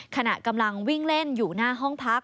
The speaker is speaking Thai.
ขณะกำลังวิ่งเล่นอยู่หน้าห้องพัก